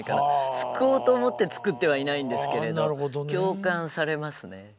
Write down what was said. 救おうと思って作ってはいないんですけれど共感されますね。